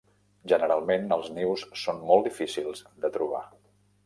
Generalment els nius són molt difícils de trobar.